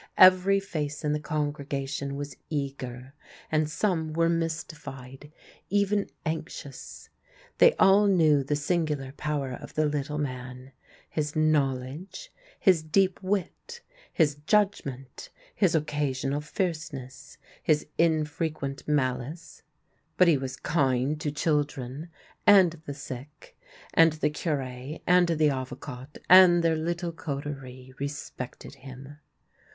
Every face in the congregation was eager, and some were mystified, even anxious. They all knew the singular power of the little man — his knowledge, his deep wit, his judgment, his occasional fierceness, his infrequent malice; but he was kind to children and the sick, and the Cure and the Avocat and their little cote rie respected him.